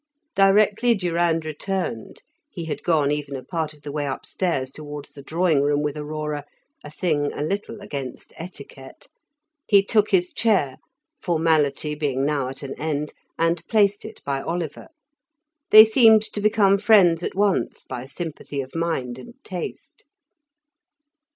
Directly Durand returned (he had gone even a part of the way upstairs towards the drawing room with Aurora, a thing a little against etiquette) he took his chair, formality being now at an end, and placed it by Oliver. They seemed to become friends at once by sympathy of mind and taste.